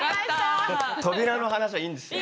扉の話はいいんですよ。